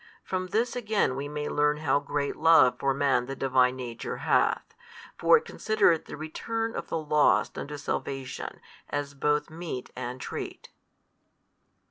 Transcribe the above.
From this |225 again we may learn how great love for man the Divine Nature hath: for It considereth the return of the lost unto salvation as both meat and treat.